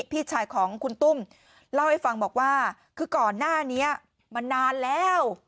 พี่ชายของคุณตุ้มเล่าให้ฟังบอกว่าคือก่อนหน้านี้มานานแล้ว